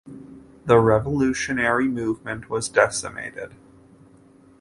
The revolutionary movement was decimated.